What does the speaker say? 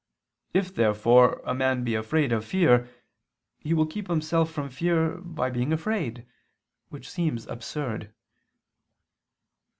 If therefore a man be afraid of fear, he will keep himself from fear by being afraid: which seems absurd.